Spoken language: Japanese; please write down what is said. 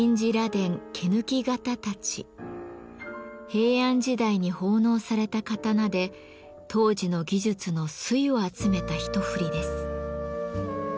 平安時代に奉納された刀で当時の技術の粋を集めた一振りです。